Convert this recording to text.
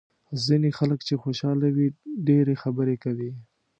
ځینې خلک چې خوشاله وي ډېرې خبرې کوي.